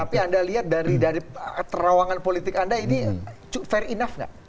tapi anda lihat dari terawangan politik anda ini fair enough nggak